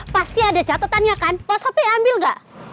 pasti ada catetannya kan pos opi ambil gak